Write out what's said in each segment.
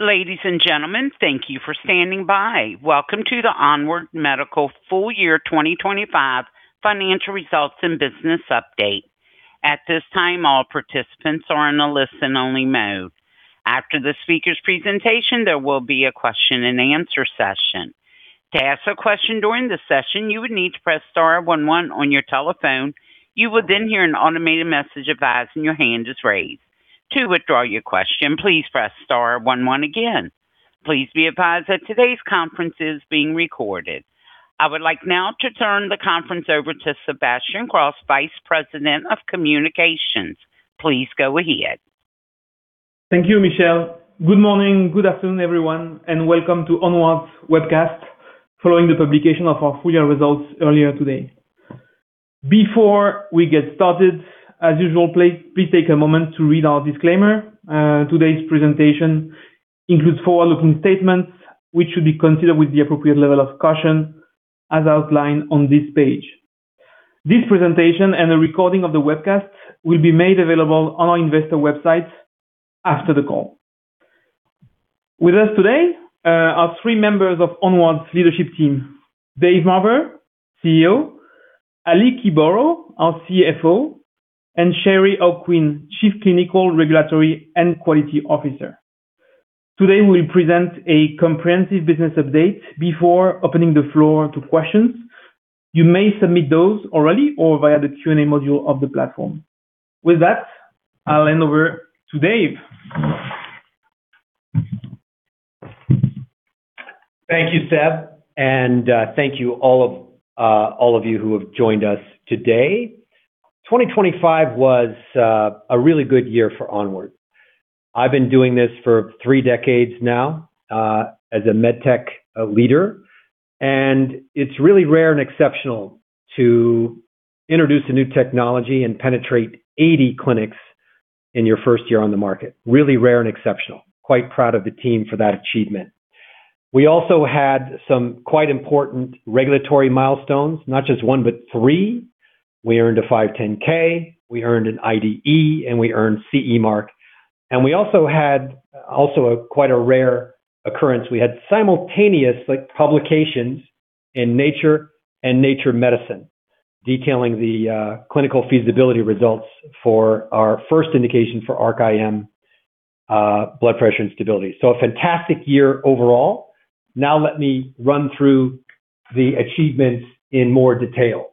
Ladies and gentlemen, thank you for standing by. Welcome to the ONWARD Medical Full Year 2025 Financial Results and Business Update. At this time, all participants are in a listen only mode. After the speaker's presentation, there will be a question and answer session. To ask a question during the session, you would need to press star one one on your telephone. You will then hear an automated message advising your hand is raised. To withdraw your question, please press star one one again. Please be advised that today's conference is being recorded. I would like now to turn the conference over to Sébastien Cros, Vice President of Communications. Please go ahead. Thank you, Michelle. Good morning, good afternoon, everyone, and welcome to ONWARD's webcast following the publication of our full year results earlier today. Before we get started, as usual, please take a moment to read our disclaimer. Today's presentation includes forward-looking statements which should be considered with the appropriate level of caution as outlined on this page. This presentation and a recording of the webcast will be made available on our investor website after the call. With us today are three members of ONWARD's leadership team. Dave Marver, CEO, Ali Kiboro, our CFO, and Shari O'Quinn, Chief Clinical, Regulatory, and Quality Officer. Today, we'll present a comprehensive business update before opening the floor to questions. You may submit those already or via the Q&A module of the platform. With that, I'll hand over to Dave. Thank you, Seb, and thank you all of you who have joined us today. 2025 was a really good year for ONWARD. I've been doing this for three decades now, as a med tech leader, and it's really rare and exceptional to introduce a new technology and penetrate 80 clinics in your first year on the market. Really rare and exceptional. I'm quite proud of the team for that achievement. We also had some quite important regulatory milestones, not just one, but three. We earned a 510(k), we earned an IDE, and we earned CE mark. We had a quite rare occurrence. We had simultaneous like publications in Nature and Nature Medicine, detailing the clinical feasibility results for our first indication for ARC-IM, blood pressure instability. A fantastic year overall. Now let me run through the achievements in more detail.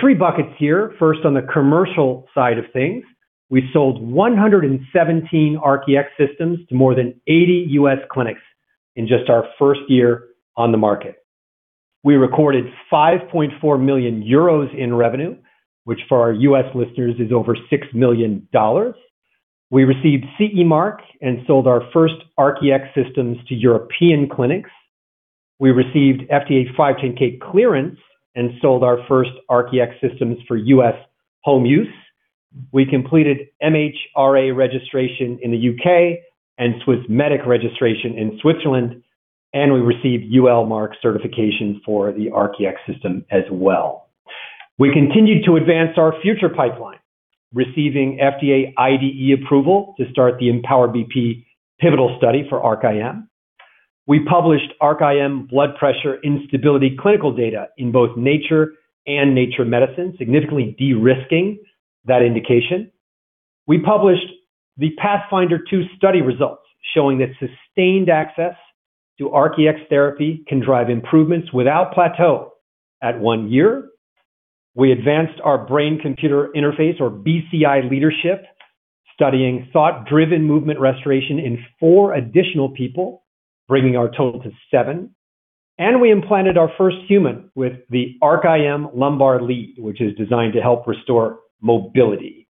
Three buckets here. First, on the commercial side of things, we sold 117 ARC-EX systems to more than 80 U.S. clinics in just our first year on the market. We recorded 5.4 million euros in revenue, which for our U.S. listeners is over $6 million. We received CE mark and sold our first ARC-EX systems to European clinics. We received FDA 510(k) clearance and sold our first ARC-EX systems for U.S. home use. We completed MHRA registration in the U.K. and Swissmedic registration in Switzerland, and we received UL mark certification for the ARC-EX system as well. We continued to advance our future pipeline, receiving FDA IDE approval to start the Empower BP pivotal study for ARC-IM. We published ARC-IM blood pressure instability clinical data in both Nature and Nature Medicine, significantly de-risking that indication. We published the Pathfinder2 study results showing that sustained access to ARC-EX therapy can drive improvements without plateau at one year. We advanced our brain computer interface or BCI leadership, studying thought-driven movement restoration in four additional people, bringing our total to seven. We implanted our first human with the ARC-IM Lumbar Lead, which is designed to help restore mobility.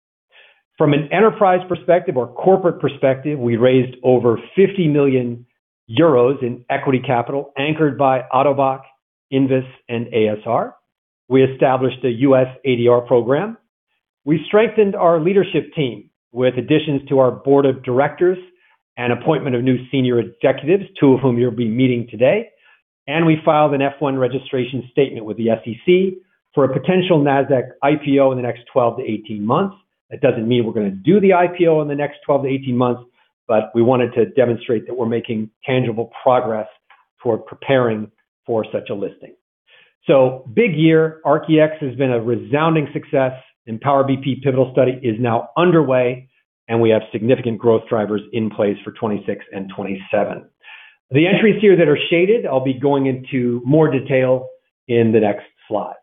From an enterprise perspective or corporate perspective, we raised over 50 million euros in equity capital anchored by Ottobock, Invus, and ASR. We established a U.S. ADR program. We strengthened our leadership team with additions to our board of directors and appointment of new senior executives, two of whom you'll be meeting today. We filed an F-1 registration statement with the SEC for a potential Nasdaq IPO in the next 12-18 months. That doesn't mean we're gonna do the IPO in the next 12-18 months, but we wanted to demonstrate that we're making tangible progress toward preparing for such a listing. Big year. ARC-EX has been a resounding success. Empower BP pivotal study is now underway, and we have significant growth drivers in place for 2026 and 2027. The entries here that are shaded, I'll be going into more detail in the next slides.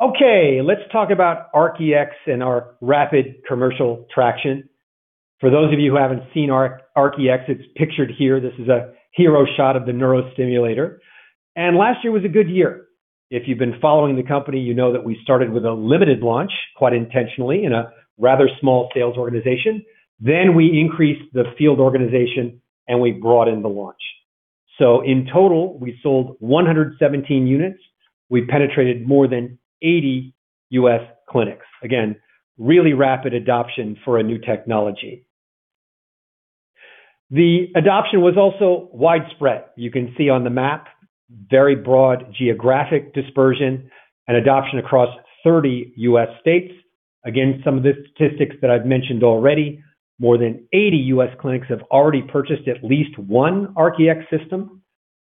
Okay, let's talk about ARC-EX and our rapid commercial traction. For those of you who haven't seen ARC-EX, it's pictured here. This is a hero shot of the neurostimulator. Last year was a good year. If you've been following the company, you know that we started with a limited launch, quite intentionally, in a rather small sales organization. We increased the field organization, and we broadened the launch. In total, we sold 117 units. We penetrated more than 80 U.S. clinics. Again, really rapid adoption for a new technology. The adoption was also widespread. You can see on the map. Very broad geographic dispersion and adoption across 30 U.S. states. Again, some of the statistics that I've mentioned already, more than 80 U.S. clinics have already purchased at least one ARC-EX system.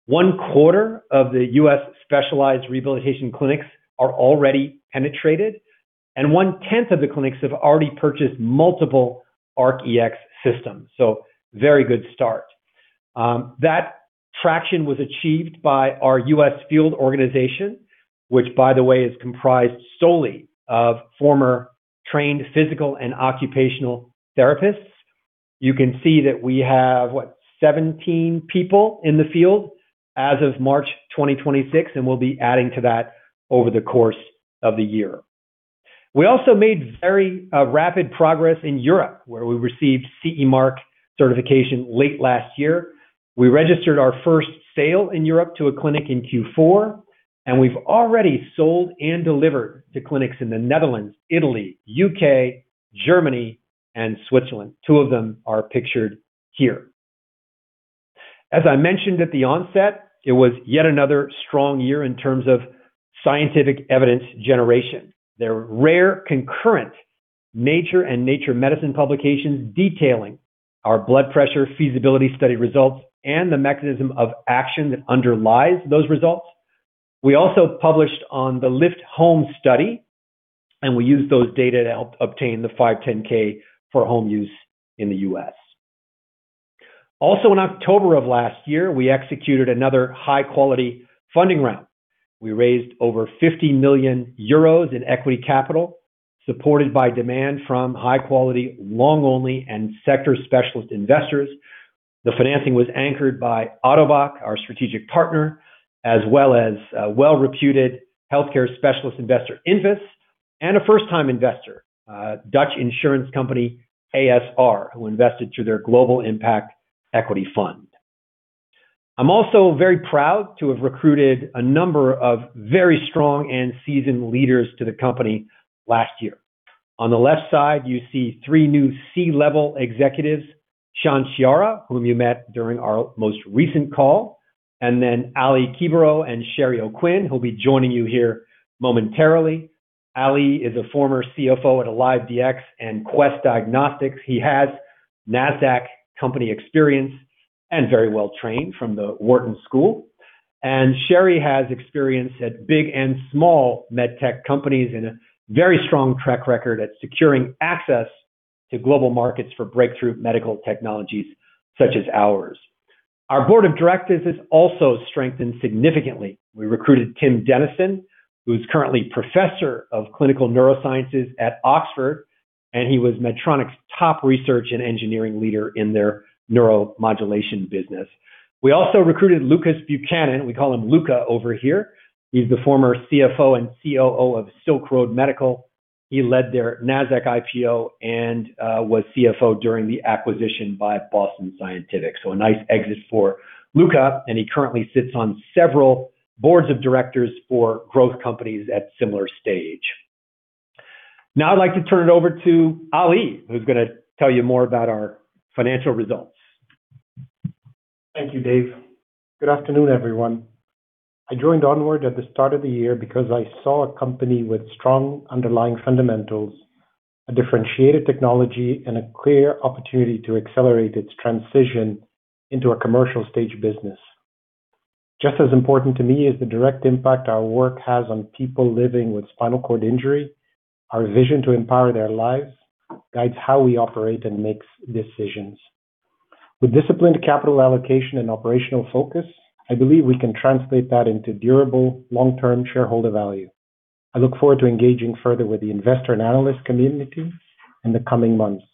One quarter of the U.S. specialized rehabilitation clinics are already penetrated, and one-tenth of the clinics have already purchased multiple ARC-EX systems. Very good start. That traction was achieved by our U.S. field organization, which by the way, is comprised solely of former trained physical and occupational therapists. You can see that we have, what? 17 people in the field as of March 2026, and we'll be adding to that over the course of the year. We also made very rapid progress in Europe, where we received CE mark certification late last year. We registered our first sale in Europe to a clinic in Q4, and we've already sold and delivered to clinics in the Netherlands, Italy, U.K., Germany, and Switzerland. Two of them are pictured here. As I mentioned at the onset, it was yet another strong year in terms of scientific evidence generation. There are rare concurrent Nature and Nature Medicine publications detailing our blood pressure feasibility study results and the mechanism of action that underlies those results. We also published on the LIFT Home study, and we used those data to help obtain the 510(k) for home use in the U.S. Also, in October of last year, we executed another high-quality funding round. We raised over 50 million euros in equity capital, supported by demand from high quality, long-only and sector specialist investors. The financing was anchored by Ottobock, our strategic partner, as well as well-reputed healthcare specialist investor Invus, and a first-time investor, Dutch insurance company ASR, who invested through their global impact equity fund. I'm also very proud to have recruited a number of very strong and seasoned leaders to the company last year. On the left side, you see three new C-level executives, Sean Sciara, whom you met during our most recent call, and then Ali Kiboro and Shari O'Quinn, who'll be joining you here momentarily. Ali is a former CFO at AliveDx and Quest Diagnostics. He has Nasdaq company experience and very well trained from the Wharton School. Shari has experience at big and small med tech companies and a very strong track record at securing access to global markets for breakthrough medical technologies such as ours. Our board of directors has also strengthened significantly. We recruited Tim Denison, who's currently professor of clinical neurosciences at Oxford, and he was Medtronic's top research and engineering leader in their neuromodulation business. We also recruited Lucas Buchanan. We call him Luca over here. He's the former CFO and COO of Silk Road Medical. He led their Nasdaq IPO and was CFO during the acquisition by Boston Scientific. A nice exit for Luca, and he currently sits on several boards of directors for growth companies at similar stage. Now, I'd like to turn it over to Ali, who's gonna tell you more about our financial results. Thank you, Dave. Good afternoon, everyone. I joined ONWARD at the start of the year because I saw a company with strong underlying fundamentals, a differentiated technology, and a clear opportunity to accelerate its transition into a commercial stage business. Just as important to me is the direct impact our work has on people living with spinal cord injury. Our vision to empower their lives guides how we operate and make decisions. With disciplined capital allocation and operational focus, I believe we can translate that into durable long-term shareholder value. I look forward to engaging further with the investor and analyst community in the coming months.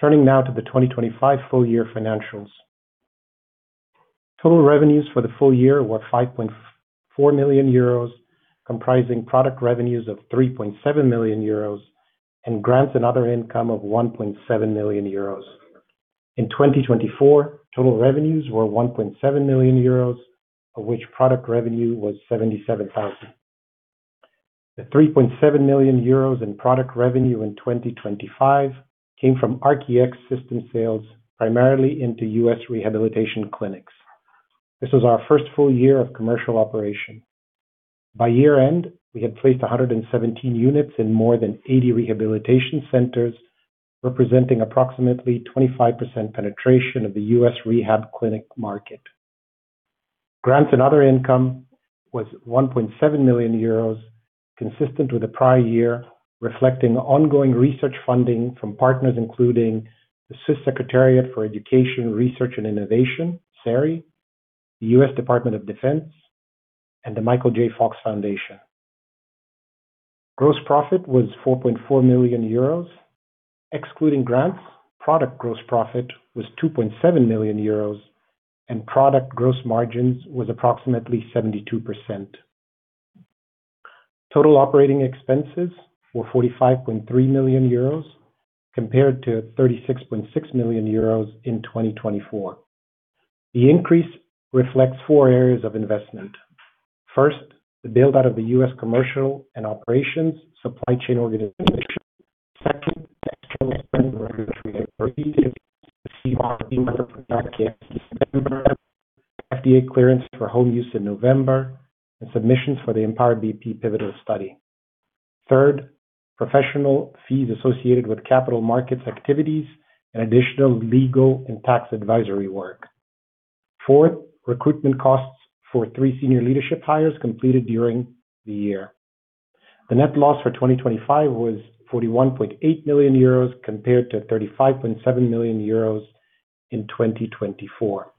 Turning now to the 2025 full year financials. Total revenues for the full year were 5.4 million euros, comprising product revenues of 3.7 million euros and grants and other income of 1.7 million euros. In 2024, total revenues were 1.7 million euros, of which product revenue was 77,000. The 3.7 million euros in product revenue in 2025 came from ARC-EX system sales, primarily into U.S. rehabilitation clinics. This was our first full year of commercial operation. By year-end, we had placed 117 units in more than 80 rehabilitation centers, representing approximately 25% penetration of the U.S. rehab clinic market. Grants and other income was 1.7 million euros, consistent with the prior year, reflecting ongoing research funding from partners including the State Secretariat for Education, Research and Innovation, SERI, the U.S. Department of Defense, and the Michael J. Fox Foundation. Gross profit was 4.4 million euros. Excluding grants, product gross profit was 2.7 million euros, and product gross margins was approximately 72%. Total operating expenses were 45.3 million euros compared to 36.6 million euros in 2024. The increase reflects four areas of investment. First, the build-out of the U.S. commercial and operations supply chain organization. Second, the external spend regulatory approval activities, the CE approval for ARC-EX in September, FDA clearance for home use in November, and submissions for the Empower BP pivotal study. Third, professional fees associated with capital markets activities and additional legal and tax advisory work. Fourth, recruitment costs for three senior leadership hires completed during the year. The net loss for 2025 was 41.8 million euros compared to 35.7 million euros in 2024.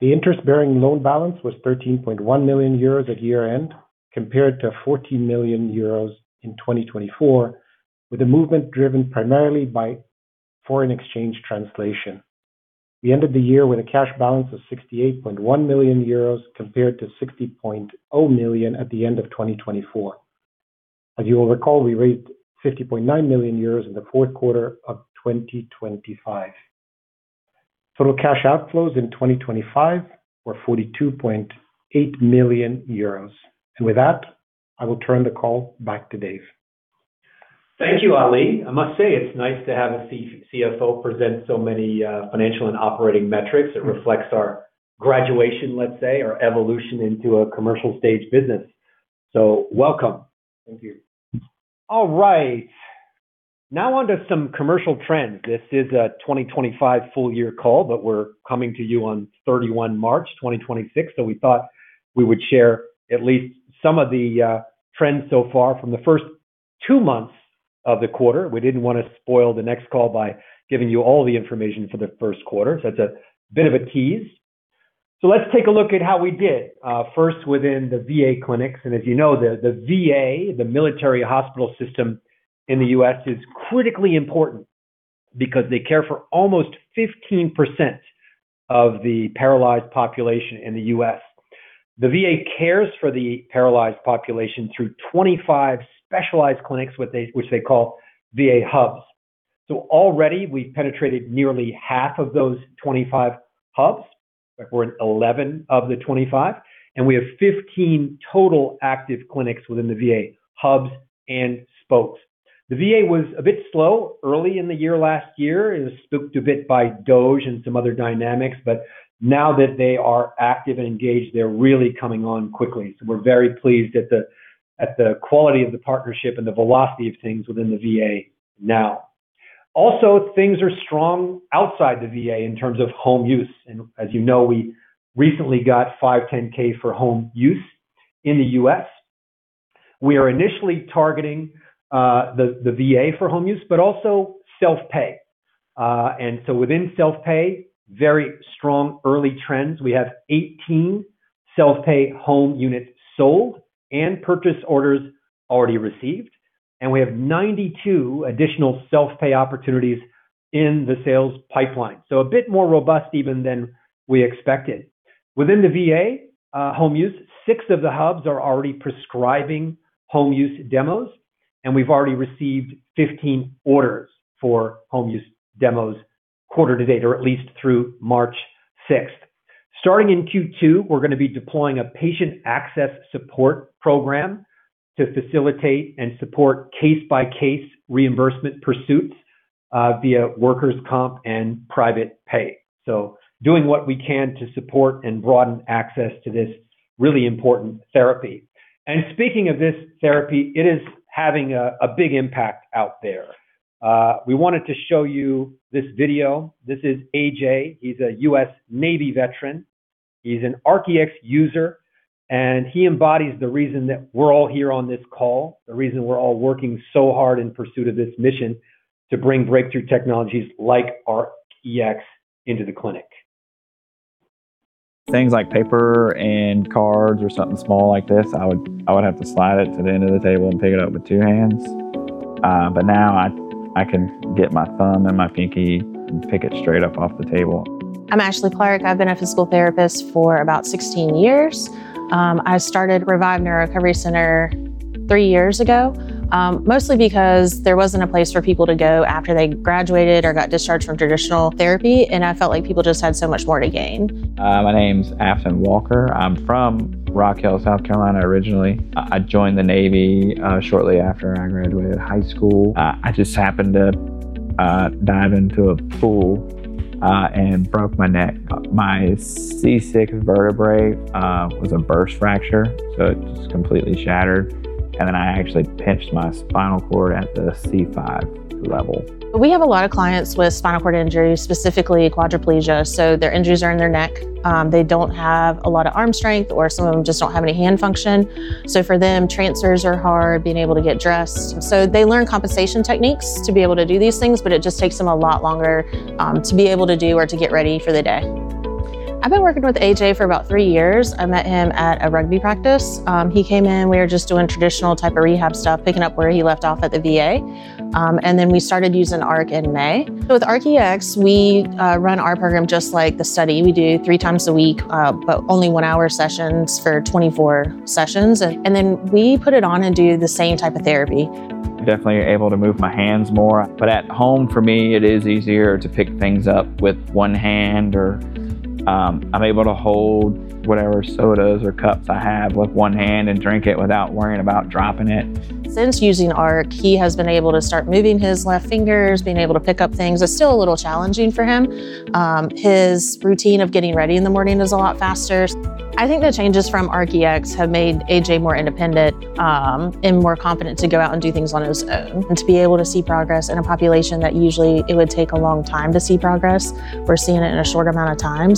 The interest-bearing loan balance was 13.1 million euros at year-end, compared to 14 million euros in 2024, with the movement driven primarily by foreign exchange translation. We ended the year with a cash balance of 68.1 million euros compared to 60.0 million at the end of 2024. As you will recall, we raised 50.9 million euros in the fourth quarter of 2025. Total cash outflows in 2025 were 42.8 million euros. With that, I will turn the call back to Dave. Thank you, Ali. I must say it's nice to have a CFO present so many financial and operating metrics. It reflects our graduation, let's say, our evolution into a commercial stage business. Welcome. Thank you. All right. Now onto some commercial trends. This is a 2025 full year call, but we're coming to you on 31 March 2026. We thought we would share at least some of the trends so far from the first two months of the quarter. We didn't wanna spoil the next call by giving you all the information for the first quarter, so it's a bit of a tease. Let's take a look at how we did first within the VA clinics. As you know, the VA, the military hospital system in the U.S., is critically important because they care for almost 15% of the paralyzed population in the U.S. The VA cares for the paralyzed population through 25 specialized clinics, what they call VA hubs. Already we've penetrated nearly half of those 25 hubs. In fact, we're in 11 of the 25. We have 15 total active clinics within the VA, hubs and spokes. The VA was a bit slow early in the year last year. It was spooked a bit by DOD and some other dynamics. Now that they are active and engaged, they're really coming on quickly. We're very pleased at the quality of the partnership and the velocity of things within the VA now. Also, things are strong outside the VA in terms of home use. As you know, we recently got 510(k) for home use in the U.S. We are initially targeting the VA for home use, but also self-pay. Within self-pay, very strong early trends. We have 18 self-pay home units sold and purchase orders already received, and we have 92 additional self-pay opportunities in the sales pipeline. A bit more robust even than we expected. Within the VA, home use, six of the hubs are already prescribing home use demos, and we've already received 15 orders for home use demos quarter to date, or at least through March 6th. Starting in Q2, we're gonna be deploying a patient access support program to facilitate and support case-by-case reimbursement pursuits, via workers' comp and private pay. Doing what we can to support and broaden access to this really important therapy. Speaking of this therapy, it is having a big impact out there. We wanted to show you this video. This is AJ. He's a U.S. Navy veteran. He's an ARC-EX user, and he embodies the reason that we're all here on this call, the reason we're all working so hard in pursuit of this mission to bring breakthrough technologies like ARC-EX into the clinic. Things like paper and cards or something small like this, I would have to slide it to the end of the table and pick it up with two hands. Now I can get my thumb and my pinky and pick it straight up off the table. I'm Ashley Clark. I've been a physical therapist for about 16 years. I started Revive Neurorecovery Center three years ago, mostly because there wasn't a place for people to go after they graduated or got discharged from traditional therapy, and I felt like people just had so much more to gain. My name's Affan Walker. I'm from Rock Hill, South Carolina, originally. I joined the Navy shortly after I graduated high school. I just happened to dive into a pool and broke my neck. My C6 vertebrae was a burst fracture, so it just completely shattered, and then I actually pinched my spinal cord at the C5 level. We have a lot of clients with spinal cord injuries, specifically quadriplegia, so their injuries are in their neck. They don't have a lot of arm strength, or some of them just don't have any hand function. For them, transfers are hard, being able to get dressed. They learn compensation techniques to be able to do these things, but it just takes them a lot longer to be able to do or to get ready for the day. I've been working with AJ for about three years. I met him at a rugby practice. He came in. We were just doing traditional type of rehab stuff, picking up where he left off at the VA. We started using ARC-EX in May. With ARC-EX, we run our program just like the study. We do three times a week, but only one-hour sessions for 24 sessions. Then we put it on and do the same type of therapy. Definitely able to move my hands more. At home for me it is easier to pick things up with one hand or, I'm able to hold whatever sodas or cups I have with one hand and drink it without worrying about dropping it. Since using ARC, he has been able to start moving his left fingers, been able to pick up things. It's still a little challenging for him. His routine of getting ready in the morning is a lot faster. I think the changes from ARC-EX have made AJ more independent, and more confident to go out and do things on his own. To be able to see progress in a population that usually it would take a long time to see progress, we're seeing it in a short amount of time.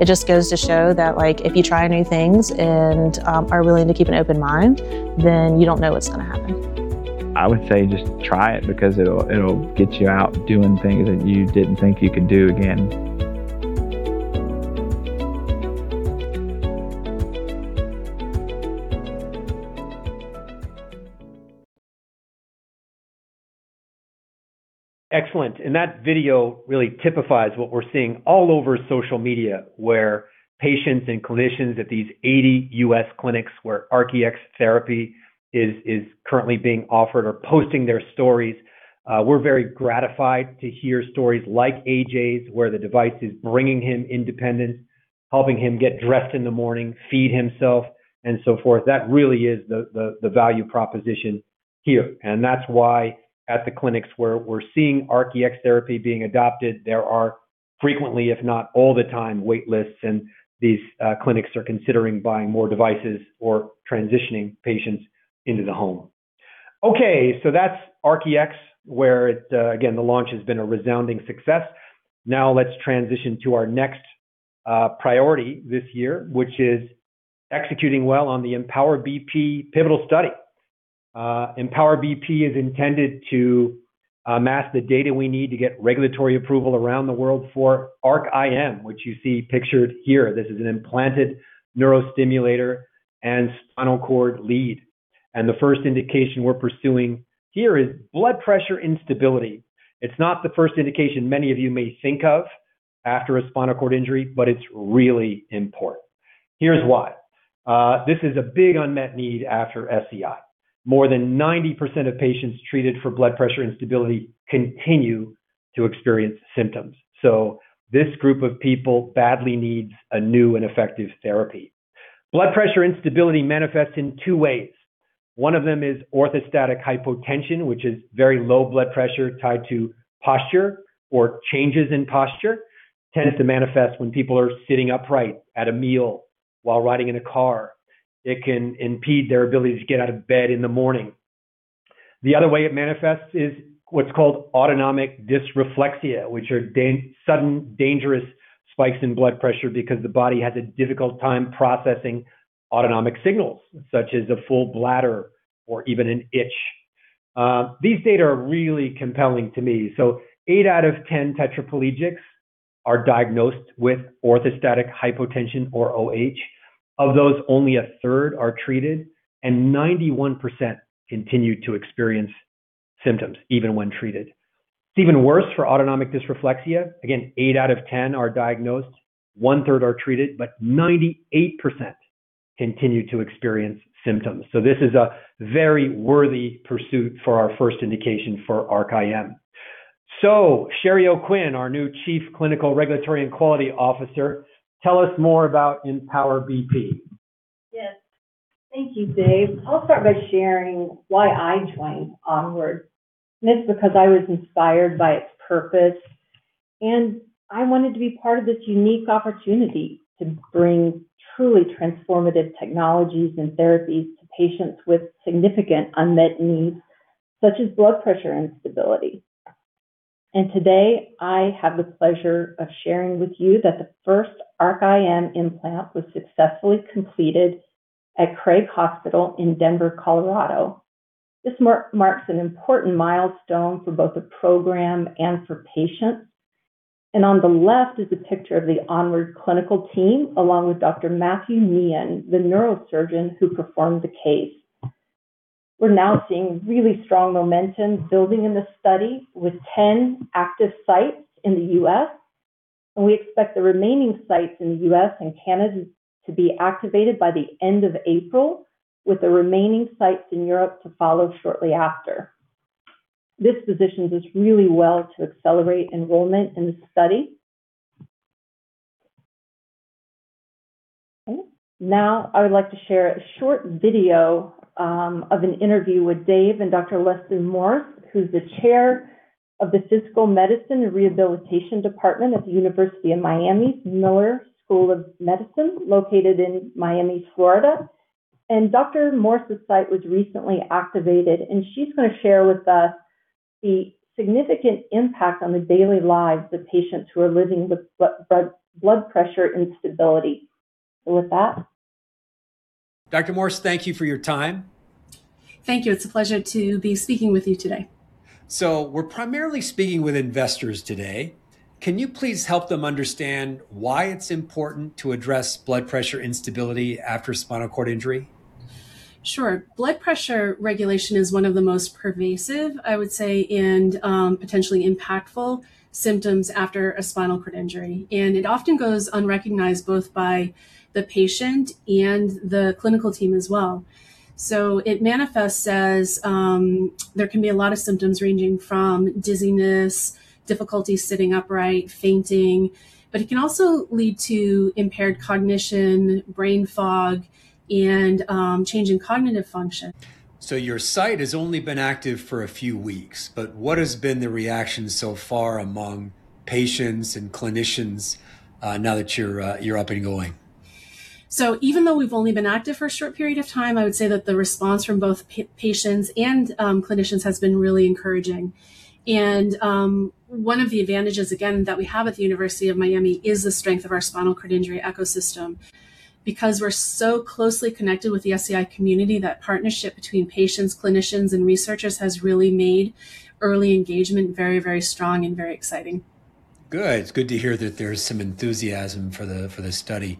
It just goes to show that, like, if you try new things and, are willing to keep an open mind, then you don't know what's gonna happen. I would say just try it because it'll get you out doing things that you didn't think you could do again. Excellent. That video really typifies what we're seeing all over social media, where patients and clinicians at these 80 U.S. clinics where ARC-EX therapy is currently being offered are posting their stories. We're very gratified to hear stories like AJ's, where the device is bringing him independence, helping him get dressed in the morning, feed himself, and so forth. That really is the value proposition here. That's why at the clinics where we're seeing ARC-EX therapy being adopted, there are frequently, if not all the time, wait lists, and these clinics are considering buying more devices or transitioning patients into the home. Okay, that's ARC-EX where it again, the launch has been a resounding success. Now let's transition to our next priority this year, which is executing well on the Empower BP pivotal study. Empower BP is intended to mask the data we need to get regulatory approval around the world for ARC-IM, which you see pictured here. This is an implanted neurostimulator and spinal cord lead. The first indication we're pursuing here is blood pressure instability. It's not the first indication many of you may think of after a spinal cord injury, but it's really important. Here's why. This is a big unmet need after SCI. More than 90% of patients treated for blood pressure instability continue to experience symptoms. This group of people badly needs a new and effective therapy. Blood pressure instability manifests in two ways. One of them is orthostatic hypotension, which is very low blood pressure tied to posture or changes in posture. Tends to manifest when people are sitting upright at a meal, while riding in a car. It can impede their ability to get out of bed in the morning. The other way it manifests is what's called autonomic dysreflexia, which are sudden dangerous spikes in blood pressure because the body has a difficult time processing autonomic signals, such as a full bladder or even an itch. These data are really compelling to me. Eight out of 10 tetraplegics are diagnosed with orthostatic hypotension or OH. Of those, only a third are treated, and 91% continue to experience symptoms even when treated. It's even worse for autonomic dysreflexia. Again, eight out of 10 are diagnosed, one-third are treated, but 98% continue to experience symptoms. This is a very worthy pursuit for our first indication for ARC-IM. Shari O'Quinn, our new Chief Clinical, Regulatory and Quality Officer, tell us more about Empower BP. Yes. Thank you, Dave. I'll start by sharing why I joined ONWARD. It's because I was inspired by its purpose, and I wanted to be part of this unique opportunity to bring truly transformative technologies and therapies to patients with significant unmet needs, such as blood pressure instability. Today, I have the pleasure of sharing with you that the first ARC-IM implant was successfully completed at Craig Hospital in Denver, Colorado. This marks an important milestone for both the program and for patients. On the left is a picture of the ONWARD clinical team, along with Dr. Matthew Meehan, the neurosurgeon who performed the case. We're now seeing really strong momentum building in this study with 10 active sites in the U.S., and we expect the remaining sites in the U.S. and Canada to be activated by the end of April, with the remaining sites in Europe to follow shortly after. This positions us really well to accelerate enrollment in the study. Okay. Now I would like to share a short video of an interview with Dave and Dr. Leslie Morse, who's the Chair of the Physical Medicine and Rehabilitation Department at the University of Miami's Miller School of Medicine, located in Miami, Florida. Dr. Morse's site was recently activated, and she's gonna share with us the significant impact on the daily lives of patients who are living with blood pressure instability. With that. Dr. Morse, thank you for your time. Thank you. It's a pleasure to be speaking with you today. We're primarily speaking with investors today. Can you please help them understand why it's important to address blood pressure instability after spinal cord injury? Sure. Blood pressure regulation is one of the most pervasive, I would say, and potentially impactful symptoms after a spinal cord injury. It often goes unrecognized both by the patient and the clinical team as well. It manifests as, there can be a lot of symptoms ranging from dizziness, difficulty sitting upright, fainting, but it can also lead to impaired cognition, brain fog, and change in cognitive function. Your site has only been active for a few weeks, but what has been the reaction so far among patients and clinicians, now that you're up and going? Even though we've only been active for a short period of time, I would say that the response from both patients and clinicians has been really encouraging. One of the advantages, again, that we have at the University of Miami is the strength of our spinal cord injury ecosystem. Because we're so closely connected with the SCI community, that partnership between patients, clinicians, and researchers has really made early engagement very, very strong and very exciting. Good. It's good to hear that there's some enthusiasm for the study.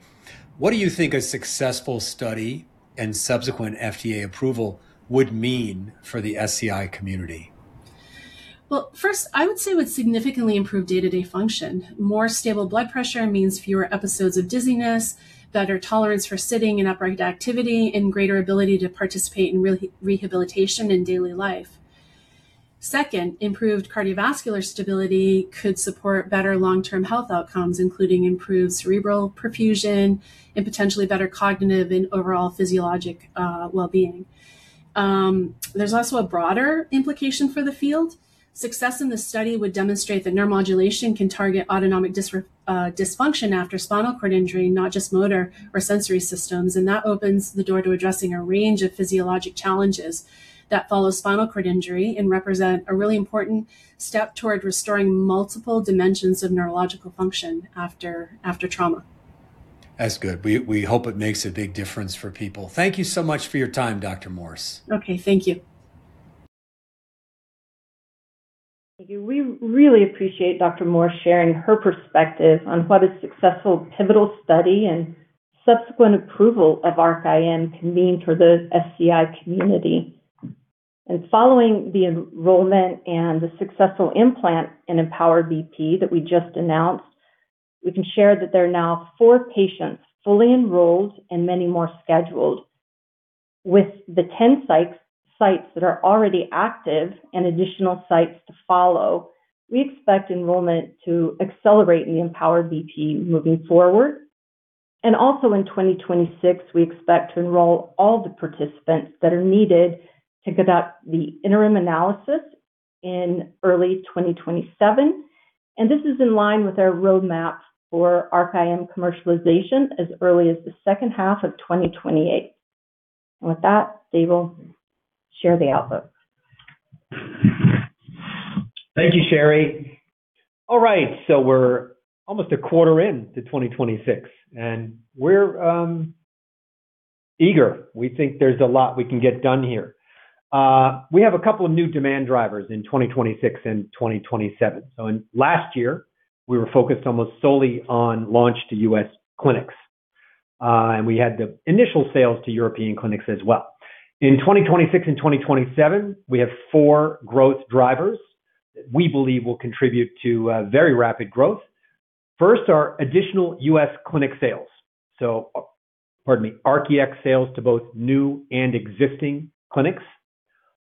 What do you think a successful study and subsequent FDA approval would mean for the SCI community? Well, first, I would say it would significantly improve day-to-day function. More stable blood pressure means fewer episodes of dizziness, better tolerance for sitting and upright activity, and greater ability to participate in rehabilitation and daily life. Second, improved cardiovascular stability could support better long-term health outcomes, including improved cerebral perfusion and potentially better cognitive and overall physiologic well-being. There's also a broader implication for the field. Success in this study would demonstrate that neuromodulation can target autonomic dysfunction after spinal cord injury, not just motor or sensory systems. That opens the door to addressing a range of physiologic challenges that follow spinal cord injury and represent a really important step toward restoring multiple dimensions of neurological function after trauma. That's good. We hope it makes a big difference for people. Thank you so much for your time, Dr. Morse. Okay. Thank you. We really appreciate Dr. Morse sharing her perspective on what a successful pivotal study and subsequent approval of ARC-IM can mean for the SCI community. Following the enrollment and the successful implant in Empower BP that we just announced, we can share that there are now four patients fully enrolled and many more scheduled. With the 10 sites that are already active and additional sites to follow, we expect enrollment to accelerate in the Empower BP moving forward. Also in 2026, we expect to enroll all the participants that are needed to conduct the interim analysis in early 2027. This is in line with our roadmap for ARC-IM commercialization as early as the second half of 2028. With that, Dave will share the outlook. Thank you, Shari. All right, we're almost a quarter into 2026, and we're eager. We think there's a lot we can get done here. We have a couple of new demand drivers in 2026 and 2027. In last year, we were focused almost solely on launch to U.S. clinics. We had the initial sales to European clinics as well. In 2026 and 2027, we have four growth drivers that we believe will contribute to very rapid growth. First are additional U.S. clinic sales. ARC-EX sales to both new and existing clinics.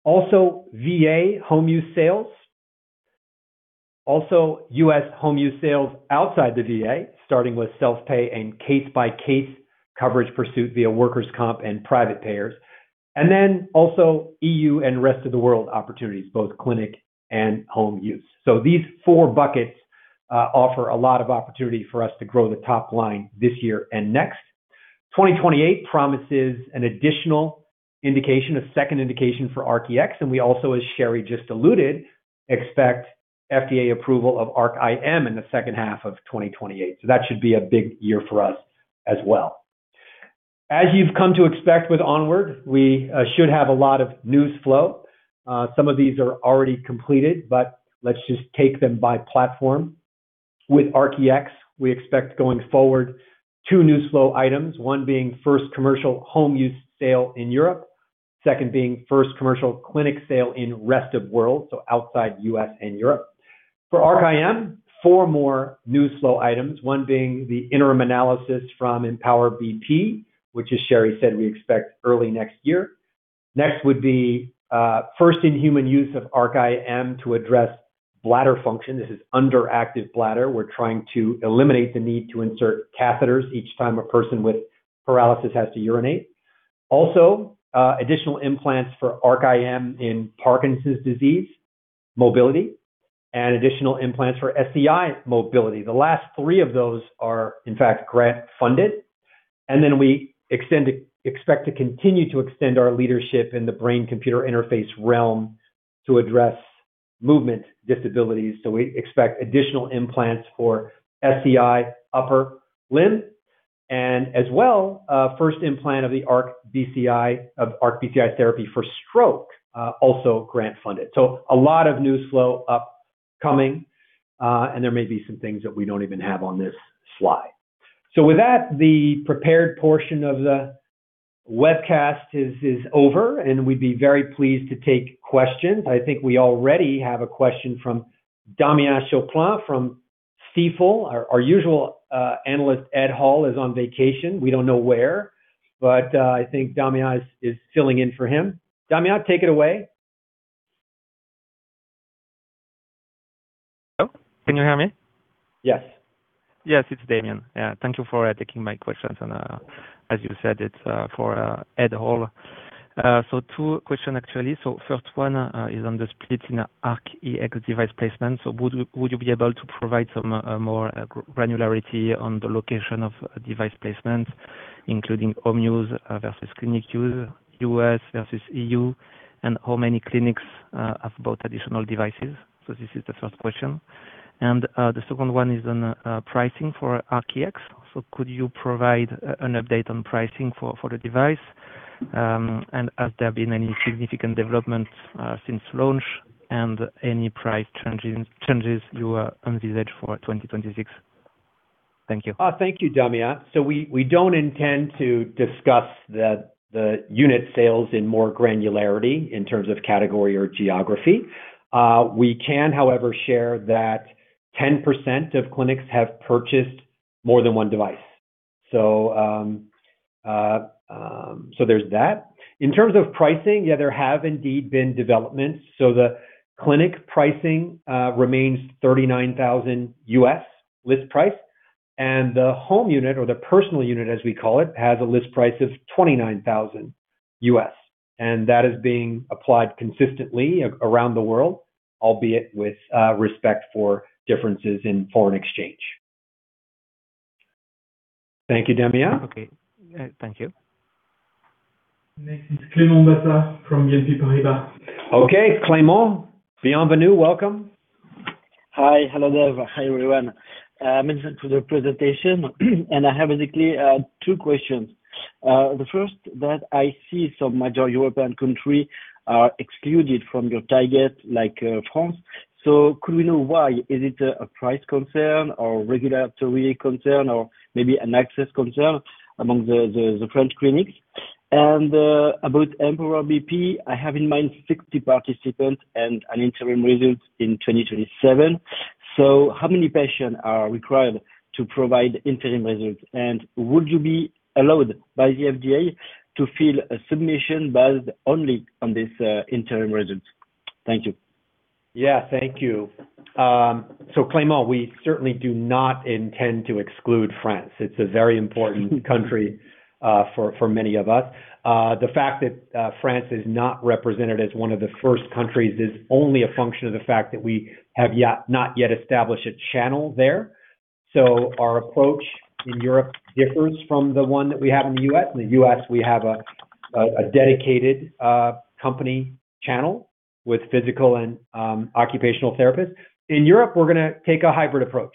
Also, VA home use sales. Also, U.S. home use sales outside the VA, starting with self-pay and case-by-case coverage pursuit via workers' comp and private payers. EU and rest-of-the-world opportunities, both clinic and home use. These four buckets offer a lot of opportunity for us to grow the top line this year and next. 2028 promises an additional indication, a second indication for ARC-EX, and we also, as Shari just alluded, expect FDA approval of ARC-IM in the second half of 2028. That should be a big year for us as well. As you've come to expect with ONWARD, we should have a lot of news flow. Some of these are already completed, but let's just take them by platform. With ARC-EX, we expect going forward two news flow items, one being first commercial home use sale in Europe. Second being first commercial clinic sale in rest of world, so outside U.S. and Europe. For ARC-IM, four more news flow items, one being the interim analysis from Empower BP, which as Shari said, we expect early next year. Next would be first-in-human use of ARC-IM to address bladder function. This is underactive bladder. We're trying to eliminate the need to insert catheters each time a person with paralysis has to urinate. Also, additional implants for ARC-IM in Parkinson's disease mobility, and additional implants for SCI mobility. The last three of those are, in fact, grant funded. Then we expect to continue to extend our leadership in the brain computer interface realm to address movement disabilities. We expect additional implants for SCI upper limb and as well, first implant of the ARC-BCI therapy for stroke, also grant funded. A lot of news flow upcoming. There may be some things that we don't even have on this slide. With that, the prepared portion of the webcast is over, and we'd be very pleased to take questions. I think we already have a question from Damien Choplain from Stifel. Our usual analyst, Ed Hall, is on vacation. We don't know where. I think Damien is filling in for him. Damien, take it away. Hello. Can you hear me? Yes. Yes. It's Damien. Thank you for taking my questions and, as you said, it's for Ed Hall. Two questions actually. First one is on the split in ARC-EX device placement. Would you be able to provide some more granularity on the location of device placement, including home use versus clinic use, U.S. versus EU, and how many clinics have bought additional devices? This is the first question. The second one is on pricing for ARC-EX. Could you provide an update on pricing for the device? Has there been any significant development since launch and any price changes you envisage for 2026? Thank you. Thank you, Damien. We don't intend to discuss the unit sales in more granularity in terms of category or geography. We can, however, share that 10% of clinics have purchased more than one device. There's that. In terms of pricing, yeah, there have indeed been developments. The clinic pricing remains $39,000 list price, and the home unit or the personal unit, as we call it, has a list price of $29,000. That is being applied consistently around the world, albeit with respect for differences in foreign exchange. Thank you, Damien. Okay. Thank you. Next is Clément Bassat from BNP Paribas. Okay. Clément, bienvenue. Welcome. Hi. Hello there. Hi, everyone. Thanks for the presentation. I have basically two questions. The first that I see some major European country are excluded from your target, like France. Could we know why? Is it a price concern or regulatory concern or maybe an access concern among the French clinics? About Empower BP, I have in mind 60 participants and an interim results in 2027. How many patients are required to provide interim results? Would you be allowed by the FDA to file a submission based only on this interim results? Thank you. Yeah. Thank you. Clément, we certainly do not intend to exclude France. It's a very important country, for many of us. The fact that France is not represented as one of the first countries is only a function of the fact that we have not yet established a channel there. Our approach in Europe differs from the one that we have in the U.S. In the U.S., we have a dedicated company channel with physical and occupational therapists. In Europe, we're gonna take a hybrid approach.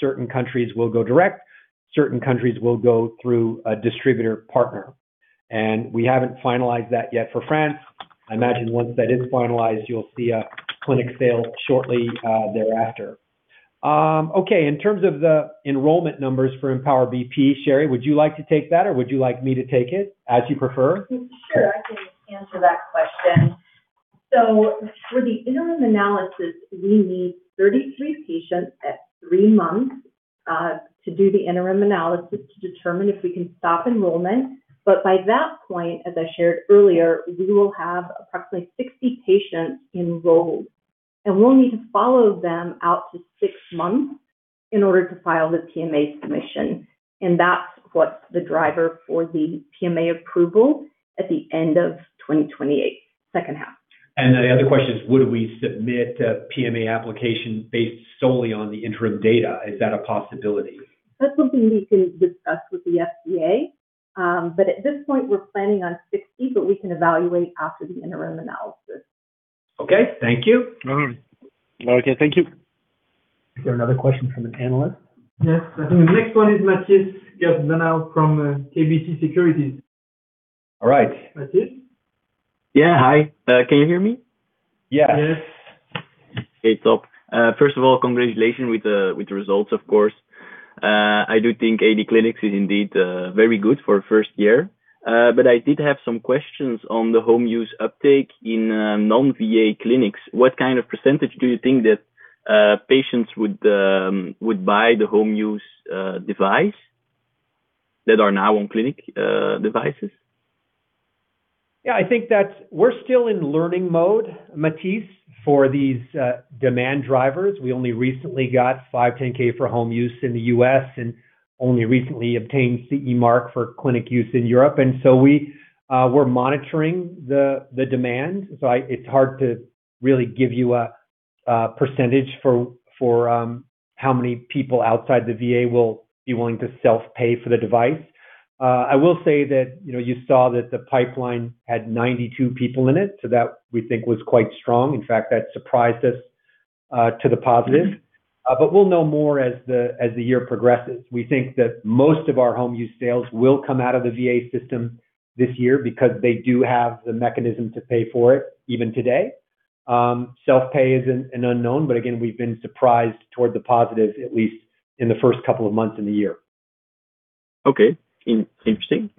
Certain countries will go direct, certain countries will go through a distributor partner. We haven't finalized that yet for France. I imagine once that is finalized, you'll see a clinic sale shortly thereafter. Okay. In terms of the enrollment numbers for Empower BP, Shari, would you like to take that, or would you like me to take it? As you prefer. Sure. I can answer that question. For the interim analysis, we need 33 patients at three months to do the interim analysis to determine if we can stop enrollment. By that point, as I shared earlier, we will have approximately 60 patients enrolled, and we'll need to follow them out to six months in order to file the PMA submission. That's what's the driver for the PMA approval at the end of 2028, second half. The other question is, would we submit a PMA application based solely on the interim data? Is that a possibility? That's something we can discuss with the FDA. At this point, we're planning on 60, but we can evaluate after the interim analysis. Okay. Thank you. Okay. Thank you. Is there another question from an analyst? Yes. I think the next one is Mathijs Geerts Danau from KBC Securities. All right. Mathijs? Yeah. Hi. Can you hear me? Yes. Yes. First of all, congratulations with the results, of course. I do think 80 clinics is indeed very good for a first year. But I did have some questions on the home use uptake in non-VA clinics. What kind of percentage do you think that patients would buy the home use device that are now on clinic devices? I think that's. We're still in learning mode, Matthijs, for these demand drivers. We only recently got 510(k) for home use in the U.S. and only recently obtained CE mark for clinic use in Europe. We're monitoring the demand. It's hard to really give you a percentage for how many people outside the VA will be willing to self-pay for the device. I will say that, you know, you saw that the pipeline had 92 people in it. That we think was quite strong. In fact, that surprised us to the positive. We'll know more as the year progresses. We think that most of our home use sales will come out of the VA system this year because they do have the mechanism to pay for it even today. Self-pay is an unknown, but again, we've been surprised toward the positive, at least in the first couple of months in the year. Okay. Interesting.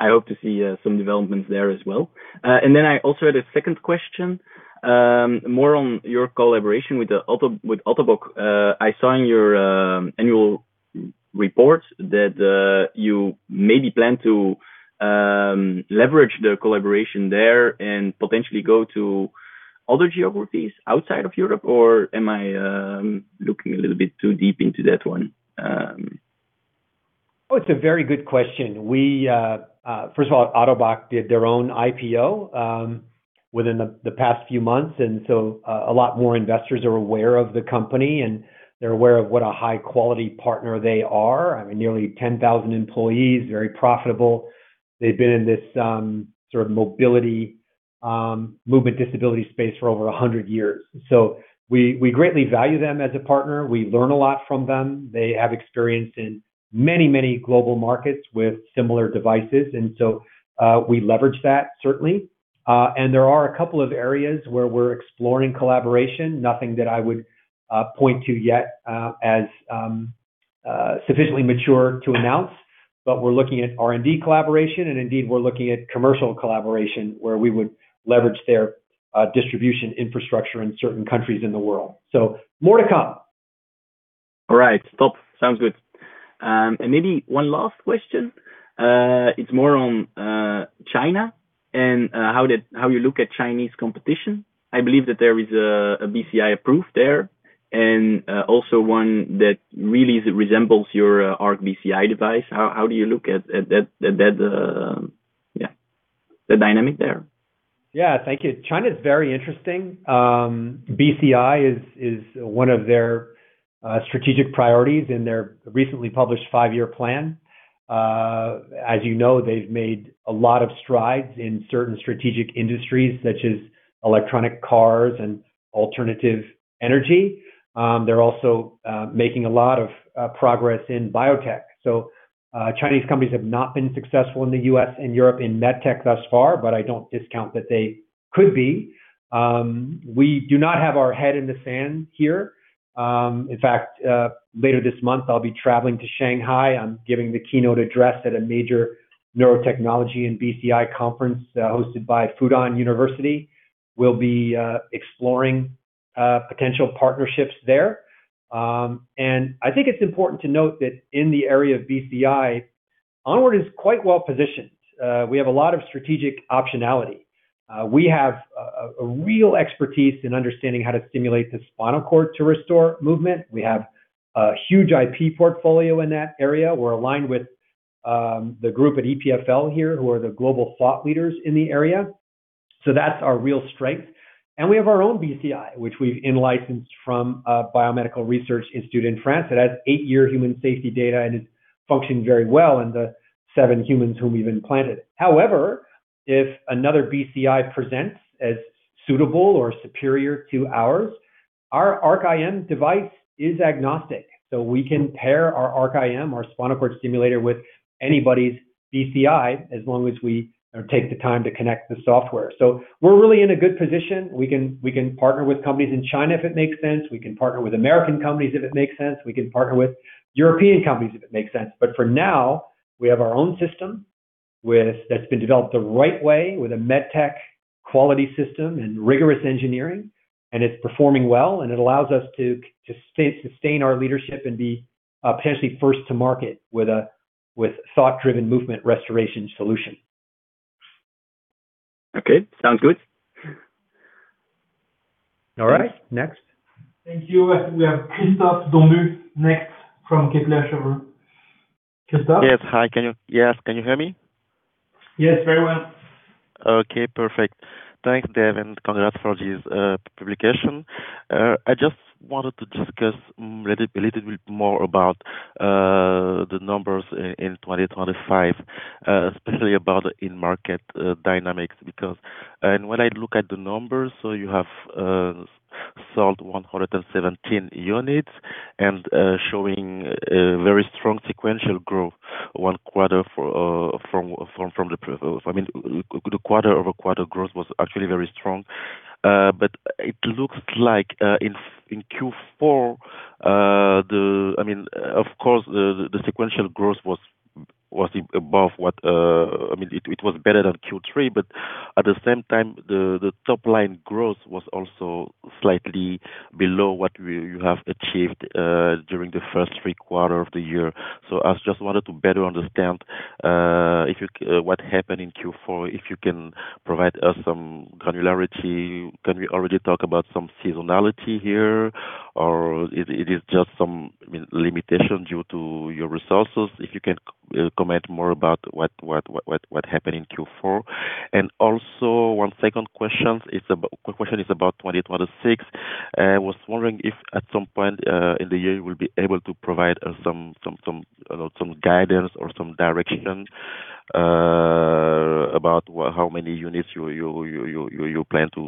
I hope to see some developments there as well. I also had a second question, more on your collaboration with Ottobock. I saw in your annual report that you maybe plan to leverage the collaboration there and potentially go to other geographies outside of Europe? Am I looking a little bit too deep into that one? Oh, it's a very good question. We first of all, Ottobock did their own IPO within the past few months, and so a lot more investors are aware of the company, and they're aware of what a high quality partner they are. I mean, nearly 10,000 employees, very profitable. They've been in this sort of mobility movement disability space for over 100 years. We greatly value them as a partner. We learn a lot from them. They have experience in many, many global markets with similar devices. We leverage that certainly. There are a couple of areas where we're exploring collaboration. Nothing that I would point to yet as sufficiently mature to announce, but we're looking at R&D collaboration, and indeed, we're looking at commercial collaboration where we would leverage their distribution infrastructure in certain countries in the world. So more to come. All right. Stop. Sounds good. Maybe one last question. It's more on China and how you look at Chinese competition. I believe that there is a BCI approved there and also one that really resembles your ARC-BCI device. How do you look at that, yeah, the dynamic there? Yeah. Thank you. China is very interesting. BCI is one of their strategic priorities in their recently published five-year plan. As you know, they've made a lot of strides in certain strategic industries such as electric cars and alternative energy. They're also making a lot of progress in biotech. Chinese companies have not been successful in the U.S. and Europe in MedTech thus far, but I don't discount that they could be. We do not have our head in the sand here. In fact, later this month, I'll be traveling to Shanghai. I'm giving the keynote address at a major neurotechnology and BCI conference hosted by Fudan University. We'll be exploring potential partnerships there. I think it's important to note that in the area of BCI, ONWARD is quite well-positioned. We have a lot of strategic optionality. We have a real expertise in understanding how to stimulate the spinal cord to restore movement. We have a huge IP portfolio in that area. We're aligned with the group at EPFL here, who are the global thought leaders in the area. That's our real strength. We have our own BCI, which we've in-licensed from a biomedical research institute in France. It has eight-year human safety data, and it's functioning very well in the seven humans whom we've implanted. However, if another BCI presents as suitable or superior to ours, our ARC-IM device is agnostic. We can pair our ARC-IM or spinal cord stimulator with anybody's BCI as long as we take the time to connect the software. We're really in a good position. We can partner with companies in China if it makes sense. We can partner with American companies if it makes sense. We can partner with European companies if it makes sense. For now, we have our own system that's been developed the right way with a MedTech quality system and rigorous engineering, and it's performing well, and it allows us to sustain our leadership and be potentially first to market with a thought-driven movement restoration solution. Okay. Sounds good. All right. Next. Thank you. We have Christophe Dombu next from Kepler Cheuvreux. Christophe? Yes. Hi. Can you hear me? Yes, very well. Okay, perfect. Thanks, Dave, and congrats for this publication. I just wanted to discuss a little bit more about the numbers in 2025, especially about in-market dynamics because when I look at the numbers, so you have sold 117 units and showing very strong sequential growth quarter-over from the previous. I mean, the quarter-over-quarter growth was actually very strong. But it looks like in Q4, I mean, of course, the sequential growth was above what, I mean, it was better than Q3, but at the same time, the top-line growth was also slightly below what you have achieved during the first three quarters of the year. I just wanted to better understand what happened in Q4, if you can provide us some granularity. Can we already talk about some seasonality here, or it is just some, I mean, limitation due to your resources? If you can comment more about what happened in Q4. Also one second question is question is about 2026. I was wondering if at some point in the year you will be able to provide us some guidance or some direction About how many units you plan to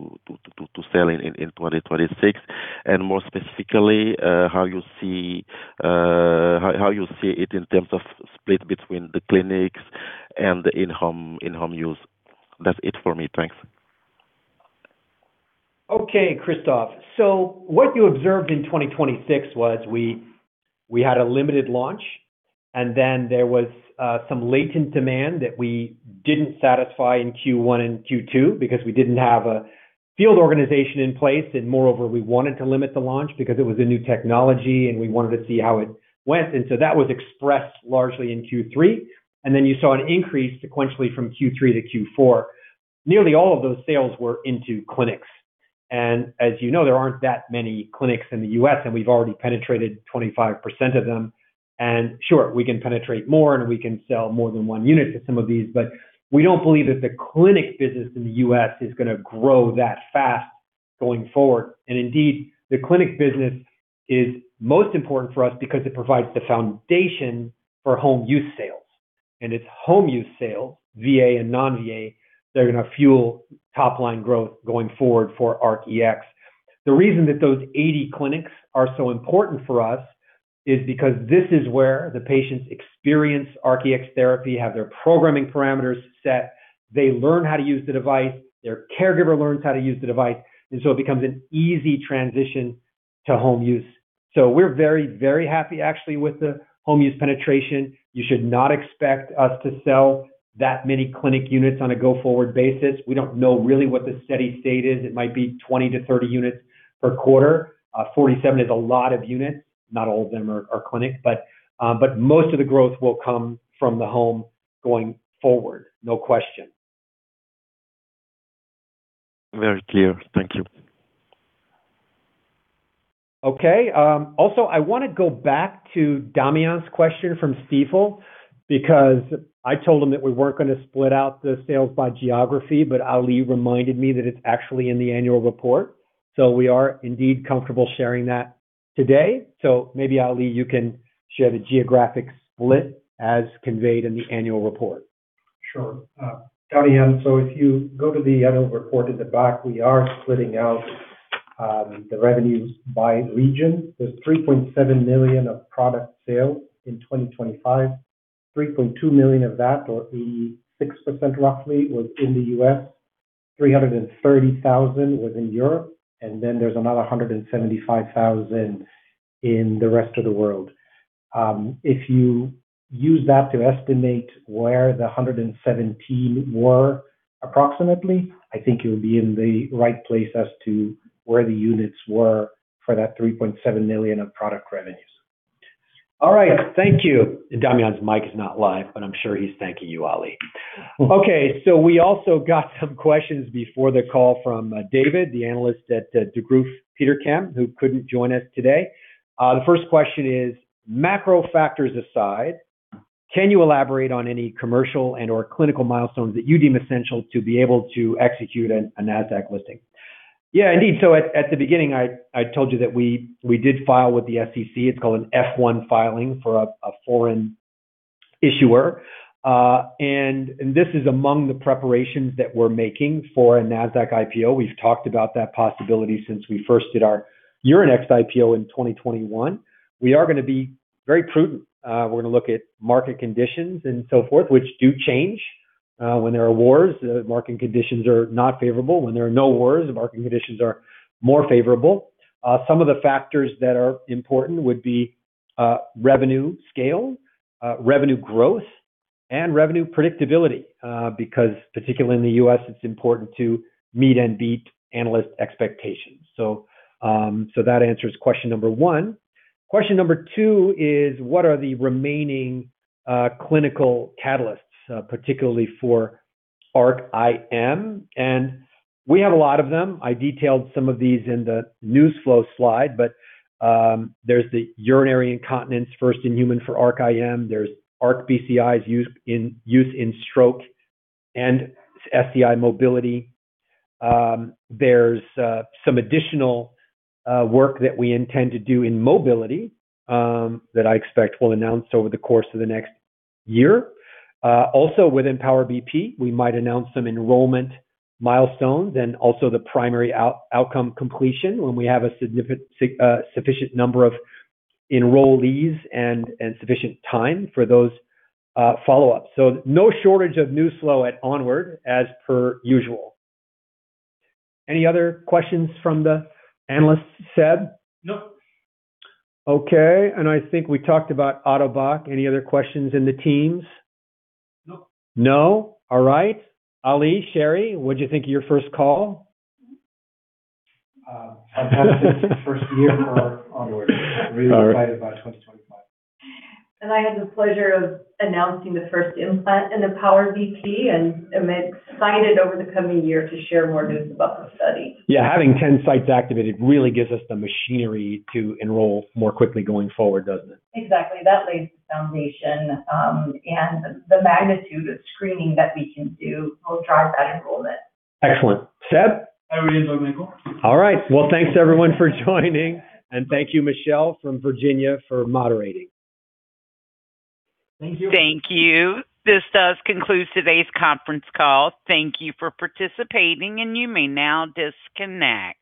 sell in 2026, and more specifically, how you see it in terms of split between the clinics and the in-home use. That's it for me. Thanks. Okay, Christophe. What you observed in 2026 was we had a limited launch, and then there was some latent demand that we didn't satisfy in Q1 and Q2 because we didn't have a field organization in place. Moreover, we wanted to limit the launch because it was a new technology, and we wanted to see how it went. That was expressed largely in Q3. You saw an increase sequentially from Q3 to Q4. Nearly all of those sales were into clinics. As you know, there aren't that many clinics in the U.S., and we've already penetrated 25% of them. Sure, we can penetrate more, and we can sell more than one unit to some of these, but we don't believe that the clinic business in the U.S. is gonna grow that fast going forward. Indeed, the clinic business is most important for us because it provides the foundation for home use sales. It's home use sales, VA and non-VA, that are gonna fuel top-line growth going forward for ARC-EX. The reason that those 80 clinics are so important for us is because this is where the patients experience ARC-EX therapy, have their programming parameters set. They learn how to use the device, their caregiver learns how to use the device, and so it becomes an easy transition to home use. We're very, very happy actually with the home use penetration. You should not expect us to sell that many clinic units on a go-forward basis. We don't know really what the steady state is. It might be 20 units-30 units per quarter. 47 is a lot of units. Not all of them are clinics, but most of the growth will come from the home going forward, no question. Very clear. Thank you. Okay. Also, I wanna go back to Damien's question from Stifel because I told him that we weren't gonna split out the sales by geography, but Ali reminded me that it's actually in the annual report. We are indeed comfortable sharing that today. Maybe, Ali, you can share the geographic split as conveyed in the annual report. Sure. Damien, if you go to the annual report at the back, we are splitting out the revenues by region. There's 3.7 million of product sales in 2025. 3.2 million of that, or 86% roughly, was in the U.S. 330,000 was in Europe, and then there's another 175,000 in the rest of the world. If you use that to estimate where the 117 were approximately, I think you would be in the right place as to where the units were for that 3.7 million of product revenues. All right. Thank you. Damien's mic is not live, but I'm sure he's thanking you, Ali. Okay, so we also got some questions before the call from David, the analyst at Degroof Petercam, who couldn't join us today. The first question is, macro factors aside, can you elaborate on any commercial and/or clinical milestones that you deem essential to be able to execute a Nasdaq listing? Yeah, indeed. At the beginning I told you that we did file with the SEC. It's called an F-1 filing for a foreign issuer. And this is among the preparations that we're making for a Nasdaq IPO. We've talked about that possibility since we first did our Euronext IPO in 2021. We are gonna be very prudent. We're gonna look at market conditions and so forth, which do change. When there are wars, the market conditions are not favorable. When there are no wars, the market conditions are more favorable. Some of the factors that are important would be revenue scale, revenue growth, and revenue predictability because particularly in the U.S., it's important to meet and beat analyst expectations. That answers question number one. Question number two is what are the remaining clinical catalysts, particularly for ARC-IM? We have a lot of them. I detailed some of these in the news flow slide, but there's the urinary incontinence first-in-human for ARC-IM. There's ARC-BCI's use in stroke and SCI mobility. There's some additional work that we intend to do in mobility that I expect we'll announce over the course of the next year. Also within Empower BP, we might announce some enrollment milestones and also the primary outcome completion when we have a sufficient number of enrollees and sufficient time for those follow-ups. No shortage of news flow at ONWARD as per usual. Any other questions from the analysts, Seb? No. Okay. I think we talked about Ottobock. Any other questions in the Teams? No. No? All right. Ali, Shari, what did you think of your first call? Fantastic first year for ONWARD. Really excited about 2025. All right. I had the pleasure of announcing the first implant in the Empower BP and am excited over the coming year to share more news about the study. Yeah, having 10 sites activated really gives us the machinery to enroll more quickly going forward, doesn't it? Exactly. That lays the foundation, and the magnitude of screening that we can do will drive that enrollment. Excellent. Seb? I really enjoyed my call. All right. Well, thanks everyone for joining. Thank you, Michelle from Virginia for moderating. Thank you. Thank you. This does conclude today's conference call. Thank you for participating, and you may now disconnect.